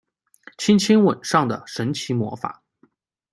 轻轻吻上的神奇魔法